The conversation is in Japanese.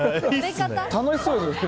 楽しそうですね。